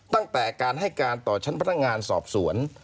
ตั้งแต่การให้การต่อชั้นพนักงานสอบสวน